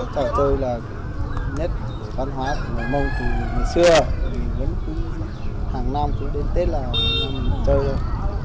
trò chơi là nét văn hóa của người mông từ ngày xưa hàng năm đến tết là mình chơi thôi